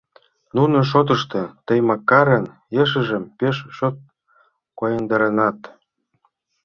Нунын шотышто, тый Макарын ешыжым пеш чот койдаренат...